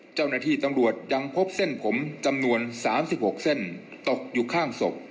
เจ้าหน้าที่ตำรวจยังพบเส้นผมจำนวน๓๖เส้นตกอยู่ข้างศพ